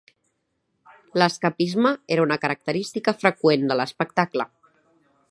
L'escapisme era una característica freqüent de l'espectacle.